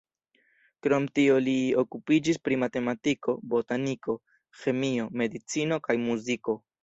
Krom tio li okupiĝis pri matematiko, botaniko, ĥemio, medicino kaj muziko.